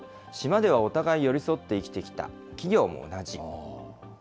島ではお互い寄り添って生きてきた、企業も同じ。